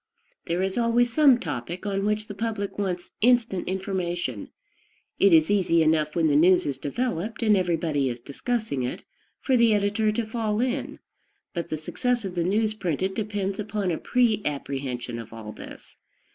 There is always some topic on which the public wants instant information. It is easy enough when the news is developed, and everybody is discussing it, for the editor to fall in; but the success of the news printed depends upon a pre apprehension of all this.